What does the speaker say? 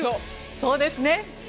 そうですね。